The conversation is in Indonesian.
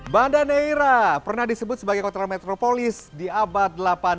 banda neira pernah disebut sebagai kota metropolis di abad delapan belas